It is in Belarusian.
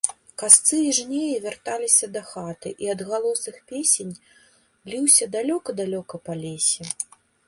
Касцы i жнеi вярталiся дахаты, i адгалос iх песень лiўся далёка-далёка па лесе...